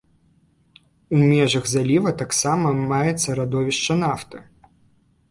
У межах заліва таксама маецца радовішча нафты.